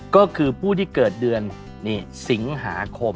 ก็คือผู้ที่เกิดเดือนสิงหาคม